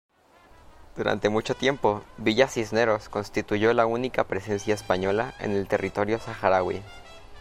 Durante mucho tiempo, Villa Cisneros constituyó la única presencia española en el territorio saharaui.